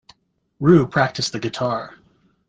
Ryu practised the guitar.